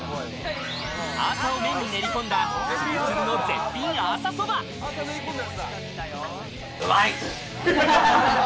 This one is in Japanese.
アーサを麺に練り込んだツルツルの絶品アーサうまい！